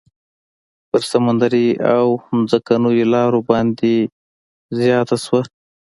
پر سمندري او ځمکنيو لارو پانګونه زیاته شوه.